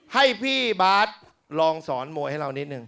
ให้พี่บาทลองสอนมวยให้เรานิดนึง